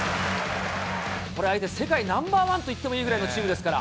これ相手、世界ナンバー１といってもいいぐらいのチームですから。